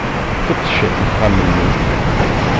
Fettcet axxam-nni.